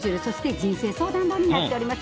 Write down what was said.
人生相談も入っております。